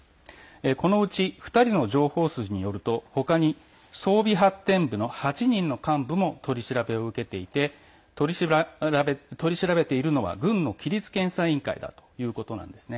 このうち２人の情報筋によると他に装備発展部の８人の幹部も取り調べを受けていて取り調べているのは、軍の規律検査委員会だということです。